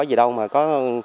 cái gì đâu mà có